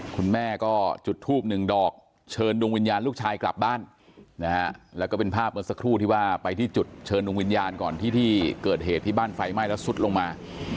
คุณแม่ก็จุดทูบหนึ่งดอกเชิญดวงวิญญาณลูกชายกลับบ้านนะฮะแล้วก็เป็นภาพเมื่อสักครู่ที่ว่าไปที่จุดเชิญดวงวิญญาณก่อนที่ที่เกิดเหตุที่บ้านไฟไหม้แล้วซุดลงมา